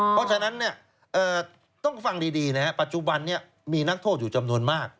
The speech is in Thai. เพราะฉะนั้นต้องฟังดีนะครับปัจจุบันนี้มีนักโทษอยู่จำนวนมาก